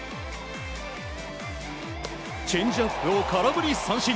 チェンジアップを空振り三振。